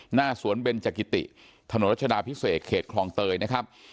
หน้าสวนเบนจักิติถนนรัชดาพิเศษเขตคลองเตยนะครับ